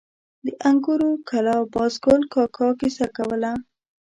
د انګورو کلا بازګل کاکا کیسه کوله.